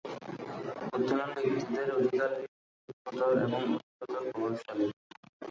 বুদ্ধিমান ব্যক্তিদের অধিকার-লিপ্সা সূক্ষ্মতর এবং অধিকতর প্রভাবশালী।